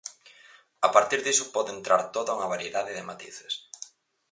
A partir diso pode entrar toda unha variedade de matices.